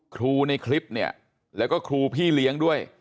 ในคลิปเนี่ยแล้วก็ครูพี่เลี้ยงด้วย